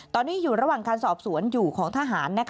ตอนนี้อยู่ระหว่างการสอบสวนอยู่ของทหาร